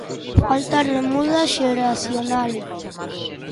Falta remuda xeracional.